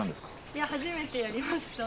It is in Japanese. いや初めてやりました。